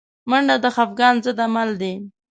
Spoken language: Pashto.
منډه د خفګان ضد عمل دی